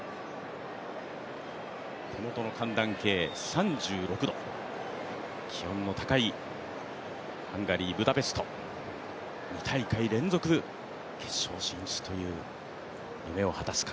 手元の寒暖計３６度、気温の高いハンガリー・ブダペスト２大会連続決勝進出という夢を果たすか。